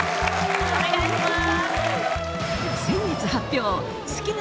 お願いします。